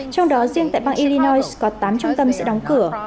trong đó riêng tại bang illinois có tám trung tâm sẽ đóng cửa